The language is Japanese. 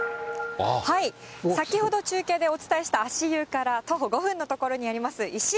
先ほど中継でお伝えした足湯から徒歩５分の所にありますいし